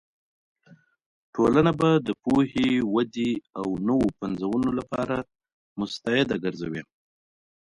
ټولنه به د پوهې، ودې او نوو پنځونو لپاره مستعده ګرځوې.